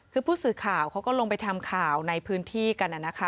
คือผู้สื่อข่าวเขาก็ลงไปทำข่าวในพื้นที่กันนะคะ